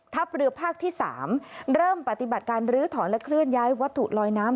เรือภาคที่๓เริ่มปฏิบัติการลื้อถอนและเคลื่อนย้ายวัตถุลอยน้ำ